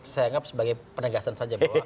saya anggap sebagai penegasan saja bahwa